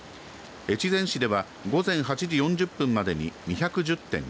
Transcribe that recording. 越前市では午前８時４０分までに２１０．５ミリ